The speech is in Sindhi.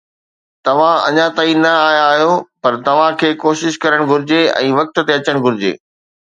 توهان اڃا نه آيا آهيو، پر توهان کي ڪوشش ڪرڻ گهرجي ۽ وقت تي اچڻ گهرجي.